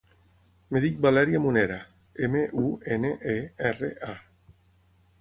Em dic Valèria Munera: ema, u, ena, e, erra, a.